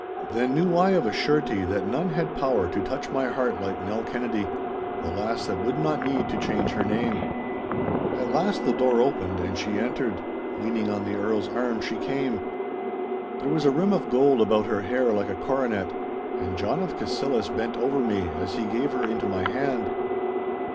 Then knew I of a surety that none had power to touch my heart like Nell Kennedy, the lass that would not need to change her name. At last the door opened and she entered—leaning on the Earl's arm she came. There was a rim of gold about her hair like a coronet. And John of Cassillis bent over to me, as he gave her into my hand.